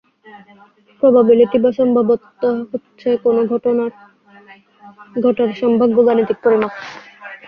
Probability বা সম্ভাব্যতা হচ্ছে কোন ঘটনা ঘটার সম্ভাব্য গানিতিক পরিমাপ।